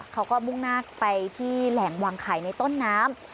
เขาก็มุ่งหน้าไปที่แหล่งวางไข่ในต้นน้ำ